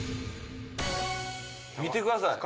見てください